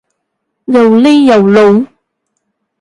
又呢又路？